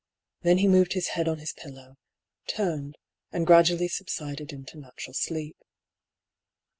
Then he moved his head on his pillow, turned, and gradually subsided into natural sleep.